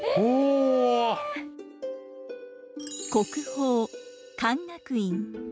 国宝勧学院。